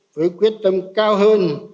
với quyết tâm cao hơn